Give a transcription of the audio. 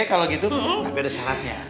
kalau gitu tapi ada syaratnya